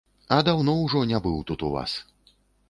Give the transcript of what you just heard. А даўно ўжо не быў тут у вас.